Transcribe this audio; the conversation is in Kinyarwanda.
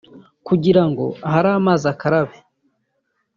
Kugira ngo ahari amazi ukarabe